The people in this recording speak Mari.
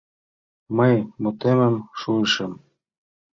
— Мый мутемым шуйышым.